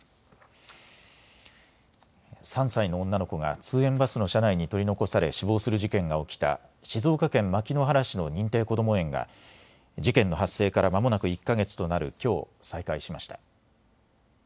３歳の女の子が通園バスの車内に取り残され死亡する事件が起きた静岡県牧之原市の認定こども園が事件の発生からまもなく１か月となるきょう再開しました。